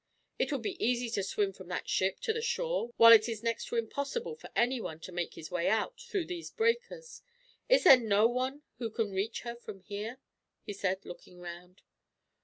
It would be easy to swim from that ship to the shore, while it is next to impossible for anyone to make his way out, through these breakers. "Is there no one who can reach her from here?" he said, looking round.